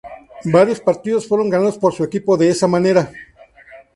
Varios partidos fueron ganados por su equipo de esa manera.